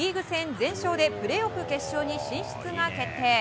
全勝でプレーオフ決勝に進出が決定。